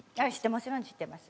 もちろん知ってます。